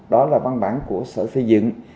đó là văn bản của sở xây dựng